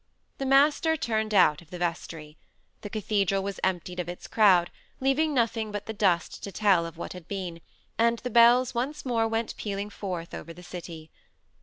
The master turned out of the vestry. The cathedral was emptied of its crowd, leaving nothing but the dust to tell of what had been, and the bells once more went pealing forth over the city.